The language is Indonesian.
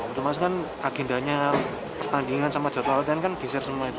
itu mas kan agendanya pertandingan sama jadwal kan geser semua itu